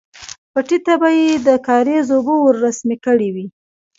پټي ته به يې د کاريز اوبه ورسمې کړې وې.